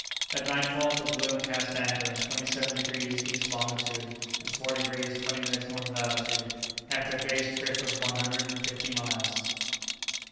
At nightfall, the balloon cast anchor in twenty seven degrees east longitude, and four degrees twenty minutes north latitude, after a day's trip of one hundred and fifty miles.